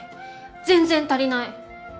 全然足りない。